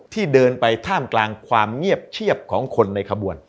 เดินไปท่ามกลางความเงียบเชียบของคนในขบวน